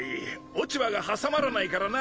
落ち葉が挟まらないからな。